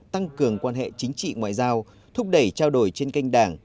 tăng cường quan hệ chính trị ngoại giao thúc đẩy trao đổi trên kênh đảng